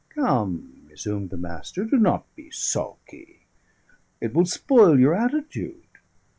"Come," resumed the Master, "do not be sulky; it will spoil your attitude.